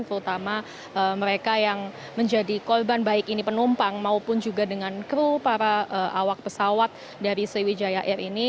terutama mereka yang menjadi korban baik ini penumpang maupun juga dengan kru para awak pesawat dari sriwijaya air ini